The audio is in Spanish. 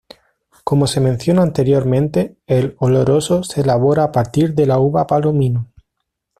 Como se menciona anteriormente, el "oloroso" se elabora a partir de la uva palomino.